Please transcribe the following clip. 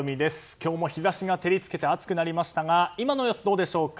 今日も日差しが照り付けて熱くなりましたが今の様子、どうでしょうか。